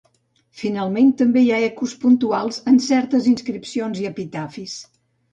Finalment també hi ha ecos puntuals en certes inscripcions i epitafis.